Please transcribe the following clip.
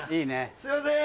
すいません。